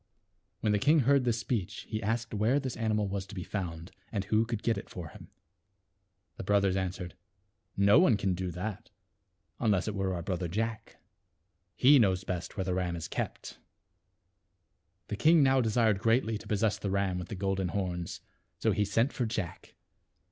When the king heard this speech he asked where this animal was to be found, and who could get it for him. The brothers answered, " No one can do that, unless it were our brother Jack. He knows best where the ram is kept." The king now desired greatly to possess the ram with the golden horns, so he sent for J ack.